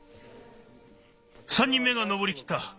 ３人目がのぼりきった。